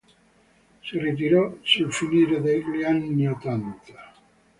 Si ritirò sul finire degli anni ottanta.